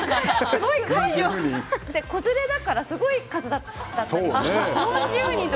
子連れだからすごい数だったんです。